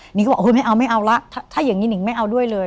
หนึ่งก็บอกไม่เอาถ้าอย่างนี้หนึ่งไม่เอาด้วยเลย